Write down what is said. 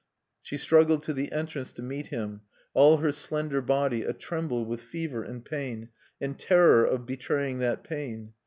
_" She struggled to the entrance to meet him, all her slender body a tremble with fever and pain, and terror of betraying that pain.